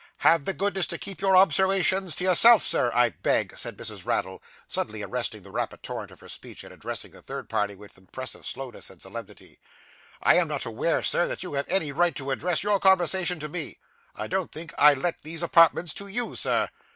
'Have the goodness to keep your observashuns to yourself, Sir, I beg,' said Mrs. Raddle, suddenly arresting the rapid torrent of her speech, and addressing the third party with impressive slowness and solemnity. 'I am not aweer, Sir, that you have any right to address your conversation to me. I don't think I let these apartments to you, Sir.